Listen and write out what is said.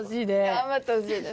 頑張ってほしいです。